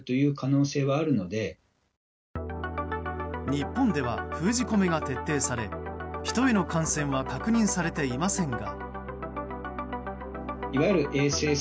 日本では封じ込めが徹底され人への感染は確認されていませんが。